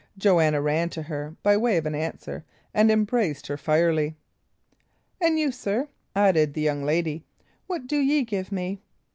Joanna ran to her, by way of answer, and embraced her fierily. "And you, sir," added the young lady, "what do ye give me?"